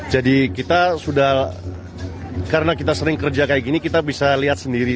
jadi kita sudah karena kita sering kerja kayak gini kita bisa lihat sendiri